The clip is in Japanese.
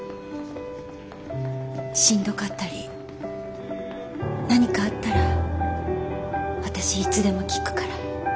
しんどかったり何かあったら私いつでも聞くから。